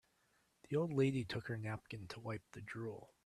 The old lady took her napkin to wipe the drool.